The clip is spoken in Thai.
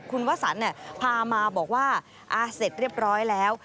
คุณวสันพามาบอกว่าเสร็จเรียบร้อยแล้ว